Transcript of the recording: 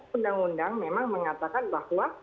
pendang pendang memang mengatakan bahwa